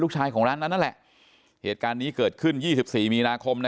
ชายของร้านนั้นนั่นแหละเหตุการณ์นี้เกิดขึ้น๒๔มีนาคม